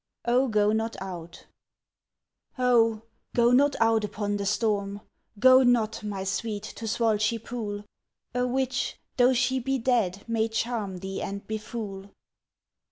OH, GO NOT OUT Oh, go not out upon the storm, Go not, my sweet, to Swalchie pool! A witch tho' she be dead may charm Thee and befool.